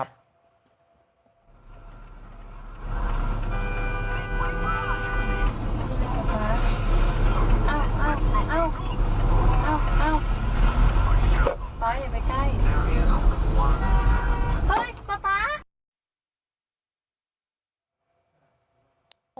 ป๊าอย่าไปใกล้